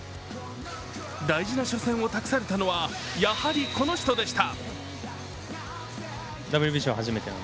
大事な初戦を託されたのはやはりこの人でした。